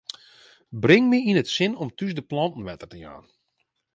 Bring my yn it sin om thús de planten wetter te jaan.